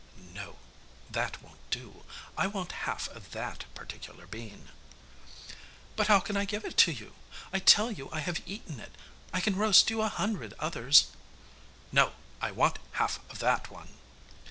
'No, that won't do. I want half of that particular bean.' 'But how can I give it you? I tell you I have eaten it. I can roast you a hundred others.' 'No, I want half of that one.